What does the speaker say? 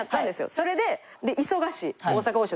それで忙しい。